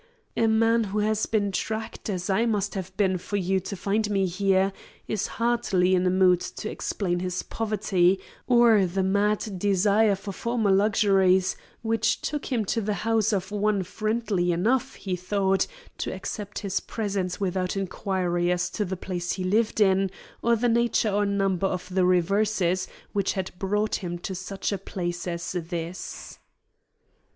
A man who has been tracked as I must have been for you to find me here, is hardly in a mood to explain his poverty or the mad desire for former luxuries which took him to the house of one friendly enough, he thought, to accept his presence without inquiry as to the place he lived in or the nature or number of the reverses which had brought him to such a place as this."